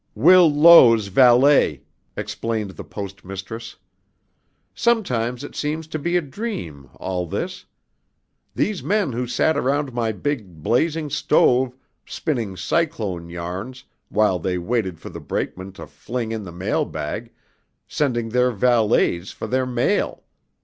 "Will Low's valet," explained the Post Mistress. "Sometimes it seems to be a dream, all this. These men who sat around my big blazing stove spinning cyclone yarns while they waited for the brakeman to fling in the mailbag, sending their valets for their mail!